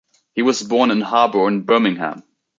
He was born in Harborne, Birmingham.